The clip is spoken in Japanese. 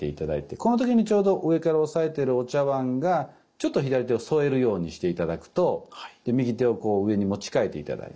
この時にちょうど上から押さえてるお茶碗がちょっと左手を添えるようにして頂くとで右手をこう上に持ち替えて頂いて。